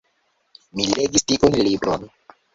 Mi legis tiun libron.